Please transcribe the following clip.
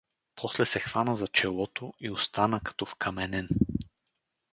После се хвана за челото и остана като вкаменен.